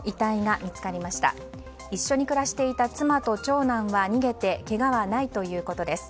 一緒に暮らしていた妻と長男は逃げてけがはないということです。